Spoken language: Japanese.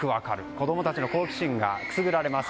子供たちの好奇心がくすぐられます。